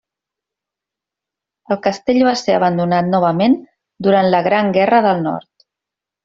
El castell va ser abandonat novament durant la Gran Guerra del Nord.